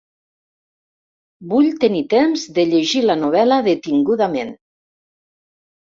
Vull tenir temps de llegir la novel·la detingudament.